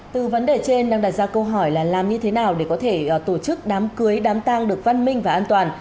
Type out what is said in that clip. từ vấn đề trên đang đặt ra câu hỏi là làm như thế nào để có thể tổ chức đám cưới đám tang được văn minh và an toàn